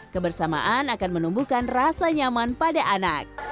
kebersamaan akan menumbuhkan rasa nyaman pada anak